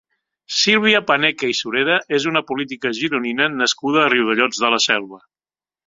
Sílvia Paneque i Sureda és una política gironina nascuda a Riudellots de la Selva.